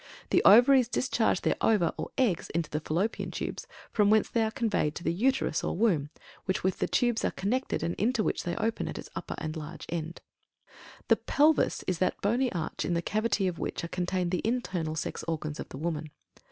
The Ovaries discharge their ova, or eggs, into the Fallopian Tubes, from whence they are conveyed to the Uterus or Womb, with which the tubes are connected and into which they open at its upper and large end. THE PELVIS is that bony arch in the cavity of which are contained the internal sex organs of the woman.